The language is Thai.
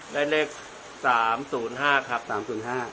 ได้เรียกอะไรครับป้า